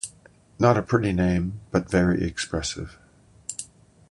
Not a pretty name, but very expressive.